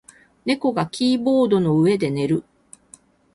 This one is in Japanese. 猫がキーボードの上で寝る。